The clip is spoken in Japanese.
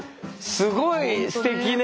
すごいすてきね。